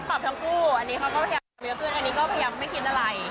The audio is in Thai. ปรับทั้งคู่อันนี้เขาก็พยายามเยอะขึ้นอันนี้ก็พยายามไม่คิดอะไร